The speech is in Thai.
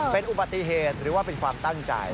เป็นอุบัติเหตุหรือว่าเป็นความตั้งใจ